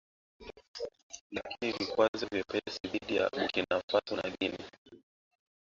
lakini vikwazo vyepesi dhidi ya Burkina Faso na Guinea